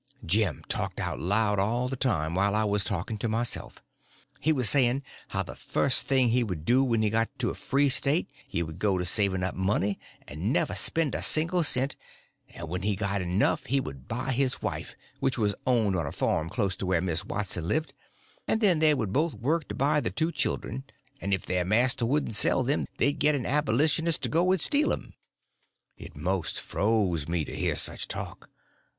Jim talked out loud all the time while I was talking to myself. He was saying how the first thing he would do when he got to a free State he would go to saving up money and never spend a single cent, and when he got enough he would buy his wife, which was owned on a farm close to where Miss Watson lived; and then they would both work to buy the two children, and if their master wouldn't sell them, they'd get an Ab'litionist to go and steal them. It most froze me to hear such talk.